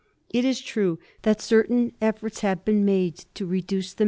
It is true that certain efforts have been made to reduce the 1756.